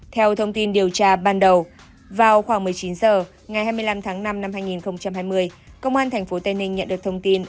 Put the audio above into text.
theo thông tin điều tra ban đầu vào khoảng một mươi chín h ngày hai mươi năm tháng năm năm hai nghìn hai mươi công an tp tây ninh nhận được thông tin